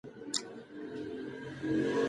د ده شعر د پښتني فکر ښه استازیتوب کوي.